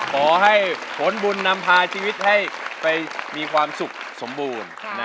ขอให้ผลบุญนำพาชีวิตให้ไปมีความสุขสมบูรณ์